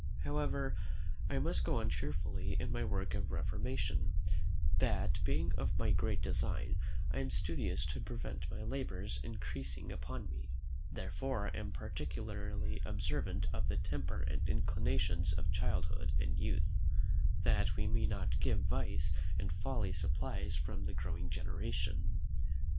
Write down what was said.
However, I must go on cheerfully in my work of reformation: that being my great design, I am studious to prevent my labours increasing upon me; therefore am particularly observant of the temper and inclinations of childhood and youth, that we may not give vice and folly supplies from the growing generation.